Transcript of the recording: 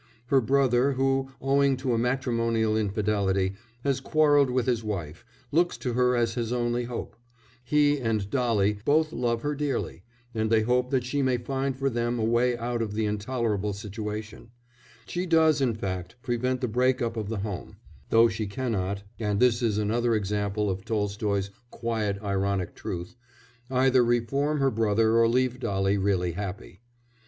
Her brother who, owing to a matrimonial infidelity, has quarrelled with his wife, looks to her as his only hope; he and Dolly both love her dearly, and they hope that she may find for them a way out of the intolerable situation; she does, in fact, prevent the break up of the home, though she cannot (and this is another example of Tolstoy's quiet ironic truth) either reform her brother or leave Dolly really happy.